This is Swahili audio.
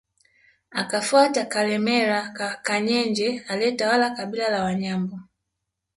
Akafuata Kalemera Kanyenje aliyetawala kabila la Wanyambo